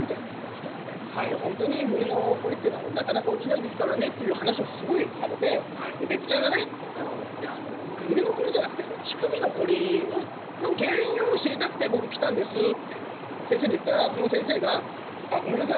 みたいなこと聞かれてホントに胸のコリっていうのはなかなか落ちないですからねって話をすごいされて別府ちゃんがねいや胸のコリじゃなくて乳首のコリの原因を知りたくて僕来たんですって先生に言ったらその先生が「あっごめんなさい」